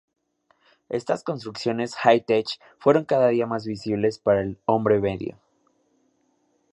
Estas construcciones High Tech fueron cada día más visibles para el hombre medio.